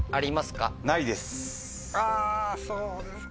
あそうですか。